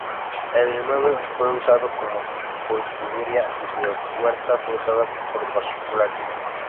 El inmueble fue usado como curtiduría y su huerta fue usada por particulares.